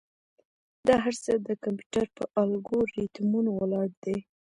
دا هر څه د کمپیوټر پر الگوریتمونو ولاړ دي.